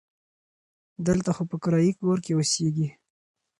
دلته خو په کرایي کور کې اوسیږي.